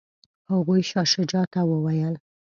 هغوی شاه شجاع ته وویل.